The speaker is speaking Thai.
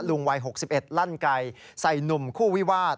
ลุงวัยหกสิบเอ็ดลั่นไก่ใส่หนุ่มคู่วิวาด